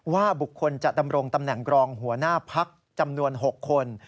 ว่าบุคคลจะดำรงตำแหน่งกรองหัวหน้าพักจำนวน๖คน